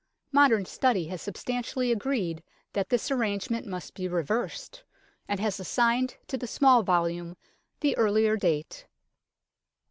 Modern study has substantially agreed that this arrangement must be reversed, and has assigned to the small volume the earlier date.